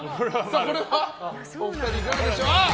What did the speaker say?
これはお二人いかがでしょ？